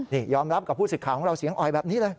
นี่ยอมรับกับผู้สิทธิ์ข่าวของเราเสียงอ่อยแบบนี้เลย